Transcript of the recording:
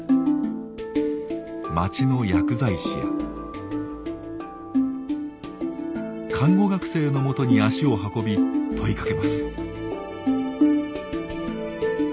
町の薬剤師や看護学生のもとに足を運び問いかけます。